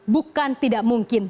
bukan tidak mungkin